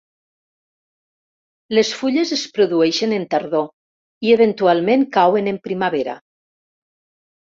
Les fulles es produeixen en tardor i eventualment cauen en primavera.